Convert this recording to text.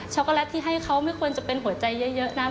โกแลตที่ให้เขาไม่ควรจะเป็นหัวใจเยอะนะ